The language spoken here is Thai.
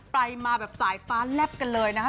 ไปมาแบบสายฟ้าแลบกันเลยนะคะ